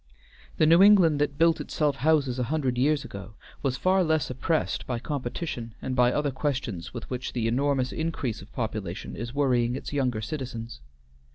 The New England that built itself houses a hundred years ago was far less oppressed by competition and by other questions with which the enormous increase of population is worrying its younger citizens.